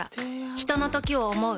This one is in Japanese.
ひとのときを、想う。